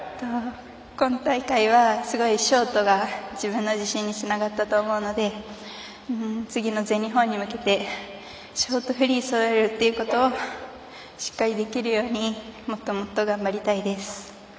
今大会はすごいショートが自分の自信につながったと思うので次の全日本に向けてショート、フリーそろえるということをしっかりできるようにもっともっと頑張りたいです。